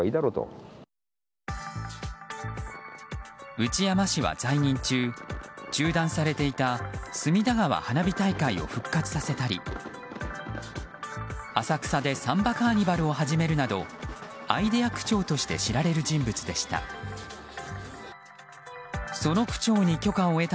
内山氏は在任中中断されていた隅田川花火大会を復活させたり浅草でサンバカーニバルを始めるなどアイデア区長として知られる人物でした。